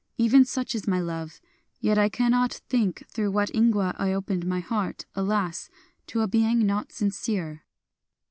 Even such is my love ... yet I cannot think through what ingwa I opened my heart — alas !— to a being not sincere